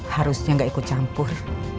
harusnya gak ikut campur